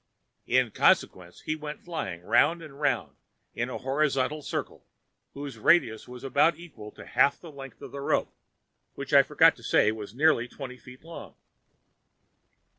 In consequence he went flying round and round in a horizontal circle whose radius was about equal to half the length of the rope, which I forgot to say was nearly twenty feet long.